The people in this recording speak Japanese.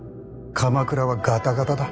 鎌倉はガタガタだ。